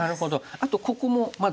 あとここもまだ。